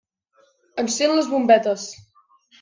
Encén les bombetes.